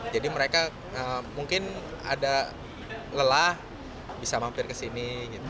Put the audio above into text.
jadi mereka mungkin ada lelah bisa mampir ke sini